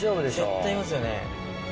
絶対いますよね。